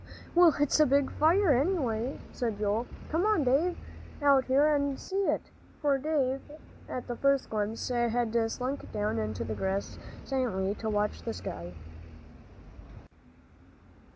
"Well, it's a big fire, anyway," said Joel. "Come on, Dave, out here and see it," for Dave, at the first glimpse, had slunk down on the grass silently to watch the sky.